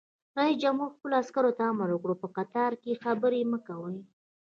رئیس جمهور خپلو عسکرو ته امر وکړ؛ په قطار کې خبرې مه کوئ!